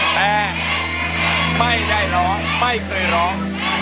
แต่ไม่ได้ร้องไม่เคยร้อง